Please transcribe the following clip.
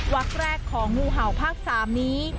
วักแรกของงูเห่าภาค๓นี้